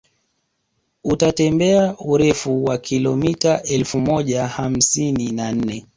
Utatembea urefu wa kilomita elfu moja hamsini na nne